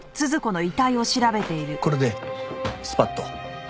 これでスパッと。